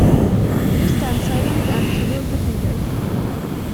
You stand silent and twiddle the fingers.